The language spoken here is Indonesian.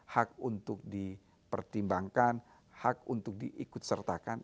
hak untuk dipertimbangkan hak untuk diikut sertakan